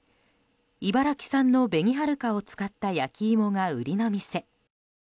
茨城産の紅はるかを使った焼き芋が売りの店。